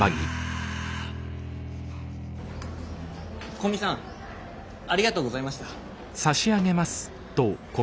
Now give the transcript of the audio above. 古見さんありがとうございました。